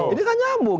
ini kan nyambung